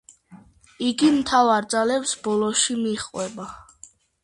იგი მთავარ ძალებს ბოლოში მიჰყვება.